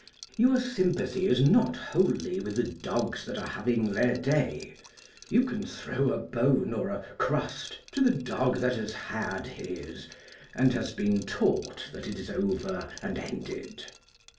Your sympathy is not wholly with the dogs that are having their day; you can throw a bone or a crust to the dog that has had his, and has been taught that it is over and ended.